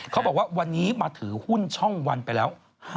เขาบอกว่าวันนี้มาถือหุ้นช่องวันไปแล้ว